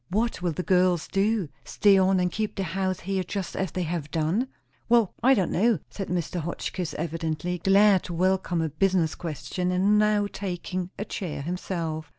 "What will the girls do? Stay on and keep the house here just as they have done?" "Well, I don' know," said Mr. Hotchkiss, evidently glad to welcome a business question, and now taking a chair himself.